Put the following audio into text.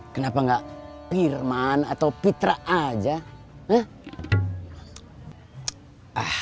kenapa enggak firman atau pitra aja leh